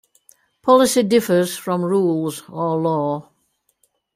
Policy differs from rules or law.